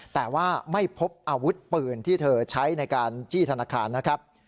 แต่ว่าไม่พบอาวุธปืนที่เธอใช้ในการจี้ธนาคารนะครับ